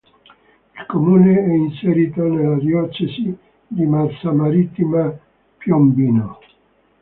Il comune è inserito nella diocesi di Massa Marittima-Piombino.